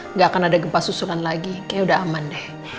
nggak akan ada gempa susulan lagi kayaknya udah aman deh